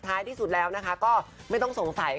ใต้ที่สุดแล้วก็ไม่ต้องสงสัย